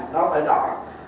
nó phải đoạn